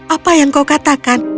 apa yang kau katakan